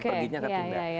perginya akan pindah